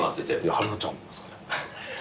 春菜ちゃんですかね。